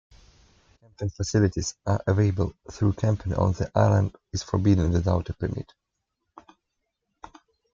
Camping facilities are available, though camping on the island is forbidden without a permit.